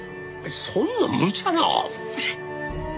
そんなむちゃな。